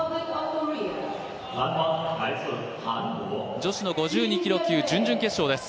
女子５２キロ級準々決勝です。